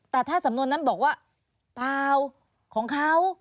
แต่ถ้าสำนวนนั้นบอกว่าเปล่าของเขา